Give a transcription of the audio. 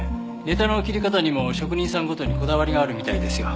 ネタの切り方にも職人さんごとにこだわりがあるみたいですよ。